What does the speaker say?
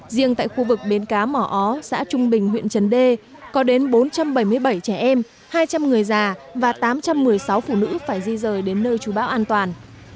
riêng tại khu vực bến cá mỏ ó xã trung bình huyện trần đề có đến bốn trăm bảy mươi bảy trẻ em hai trăm linh người già và tám trăm một mươi sáu phụ nữ phải di rời đến nơi chú bão an toàn